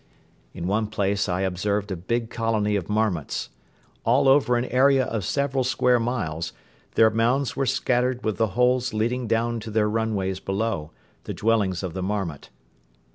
In one place I observed a big colony of marmots. All over an area of several square miles their mounds were scattered with the holes leading down to their runways below, the dwellings of the marmot.